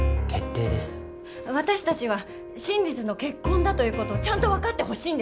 私たちは真実の結婚だということをちゃんと分かってほしいんです。